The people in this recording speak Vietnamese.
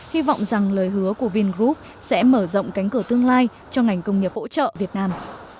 hy vọng rằng lời hứa của vingroup sẽ mở rộng cánh cửa tương lai cho ngành công nghiệp hỗ trợ việt nam